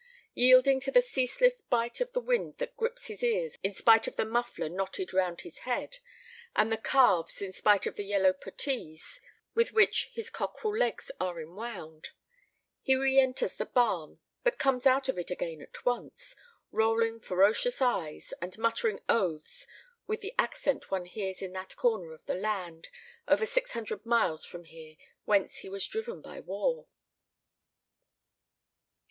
Yielding to the ceaseless bite of the wind that grips his ears in spite of the muffler knotted round his head, and his calves in spite of the yellow puttees with which his cockerel legs are enwound, he reenters the barn, but comes out of it again at once, rolling ferocious eyes, and muttering oaths with the accent one hears in that corner of the land, over six hundred miles from here, whence he was driven by war.